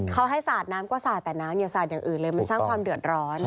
เขาให้สาดน้ำก็สาดแต่น้ำอย่าสาดอย่างอื่นเลยมันสร้างความเดือดร้อน